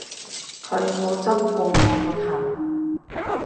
佢冇執過我個頭